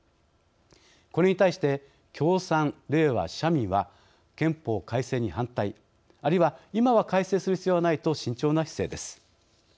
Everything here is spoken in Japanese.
これに対して共産・れいわ・社民は憲法改正に反対あるいは今は改正する必要はないと慎重な姿勢です。